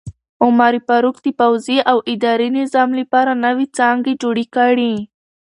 عمر فاروق د پوځي او اداري نظام لپاره نوې څانګې جوړې کړې.